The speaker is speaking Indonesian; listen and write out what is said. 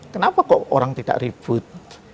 kenapa kok orang tidak ribut